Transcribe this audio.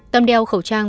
tâm đeo khẩu trang